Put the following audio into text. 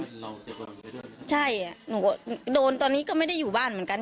เราเจ็บบ้านไปด้วยเหรอใช่โดนตอนนี้ก็ไม่ได้อยู่บ้านเหมือนกัน